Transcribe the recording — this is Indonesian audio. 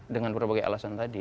dengan berbagai alasan tadi